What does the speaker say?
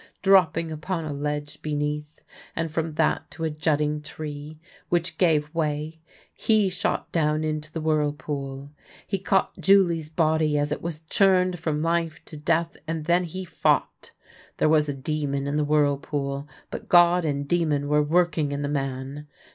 Dropping upon a ledge beneath, and from that to a jutting tree, which gave way, he shot down into the whirlpool. He caught Julie's body as it v. as churned from life to death: and then he fought. There was a demon in the whirlpool, but God and demon were working in the man.